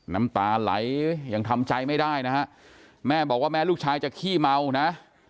น้ำตาไหลยังทำใจไม่ได้นะฮะแม่บอกว่าแม่ลูกชายจะขี้เมานะ